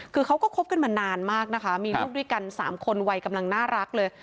คือเขาก็คบกันมานานมากนะคะมีลูกด้วยกัน๓คนวัยกำลังน่ารักเลย